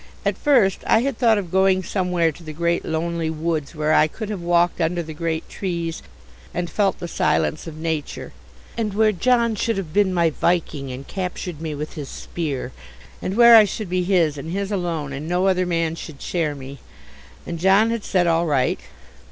At first I had thought of going somewhere to the great lonely woods, where I could have walked under the great trees and felt the silence of nature, and where John should have been my Viking and captured me with his spear, and where I should be his and his alone and no other man should share me; and John had said all right.